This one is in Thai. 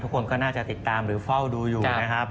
ทุกคนก็น่าจะติดตามหรือเฝ้าดูอยู่นะครับ